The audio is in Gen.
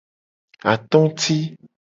Atoti.